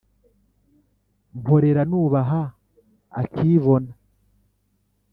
mporera nubaha akibona.